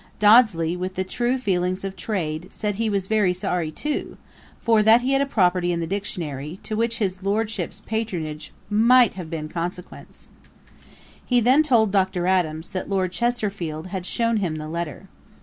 Dodsley, with the true feelings of trade, said 'he was very sorry too; for that he had a property in the Dictionary, to which his Lordship's patronage might have been of consequence.' He then told Dr. Adams, that Lord Chesterfield had shewn him the letter.